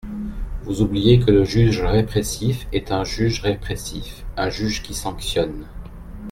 Vous oubliez que le juge répressif est un juge répressif, un juge qui sanctionne.